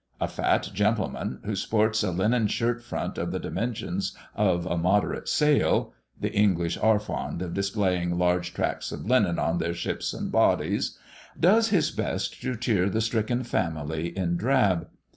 A fat gentleman, who sports a linen shirt front of the dimensions of a moderate sail (the English are fond of displaying large tracts of linen on their ships and bodies), does his best to cheer the stricken family in drab.